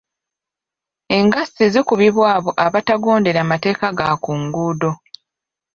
Engassi zikubibwa abao abatagondera mateeka ga ku nguudo.